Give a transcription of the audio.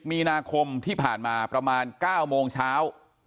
มีนาคมที่ผ่านมาประมาณ๙โมงเช้า